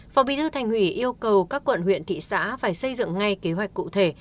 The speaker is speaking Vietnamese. phó bí thư thành ủy yêu cầu các quận huyện thị xã phải xây dựng ngay kế hoạch cụ thể